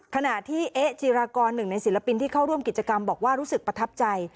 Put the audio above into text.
ขณะที่เอ๊ะจีรากรหนึ่งในศิลปินที่เข้าร่วมกิจกรรมบอกว่ารู้สึกประทับใจ